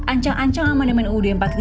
ancang ancang amandemen uud empat puluh lima